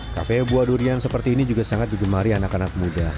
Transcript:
kafe buah durian seperti ini juga sangat digemari anak anak muda